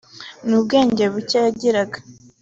Mu bwenge buke yagiraga